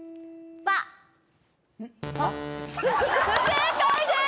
不正解です